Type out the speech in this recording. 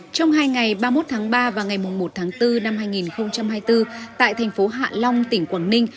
trong hai ngày ba mươi một tháng ba và ngày một tháng bốn năm hai nghìn hai mươi bốn tại thành phố hạ long tỉnh quảng ninh